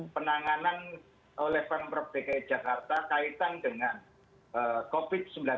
penanganan oleh pemprov dki jakarta kaitan dengan covid sembilan belas